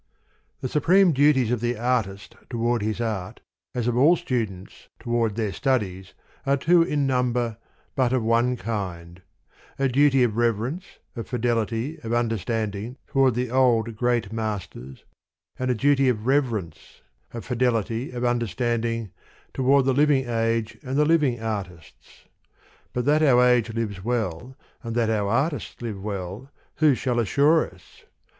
THE supreme duties of the artist to ward his art, as of all students to ward their studies, are two in num ber, but of one kind : a duty of reverence, of fidelity, of understanding, toward the old, great masters ; and a duty of reverence, of fidelity, of understanding, toward the living age and the living artists. But that our age lives well, and that our artists live well, who shall assure us